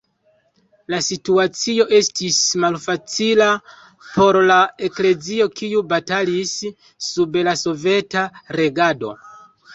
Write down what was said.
La situacio estis malfacila por la eklezio, kiu batalis sub la soveta regado.